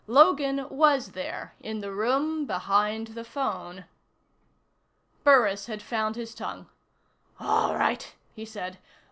Logan was there in the room behind the phone." Burris had found his tongue. "All right," he said.